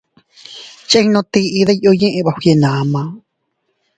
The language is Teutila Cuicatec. Chinnu tiʼi diyu yiʼi bagyenama.